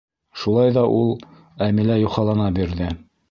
— Шулай ҙа ул. — Әмилә юхалана бирҙе.